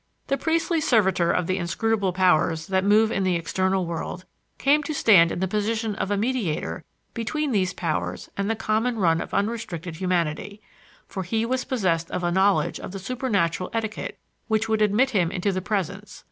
The priestly servitor of the inscrutable powers that move in the external world came to stand in the position of a mediator between these powers and the common run of unrestricted humanity; for he was possessed of a knowledge of the supernatural etiquette which would admit him into the presence.